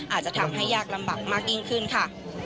อาจจะทำให้ยากลำบากมากยิ่งขึ้นค่ะ